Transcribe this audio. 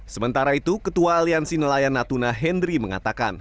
sementara itu ketua aliansi nelayan natuna henry mengatakan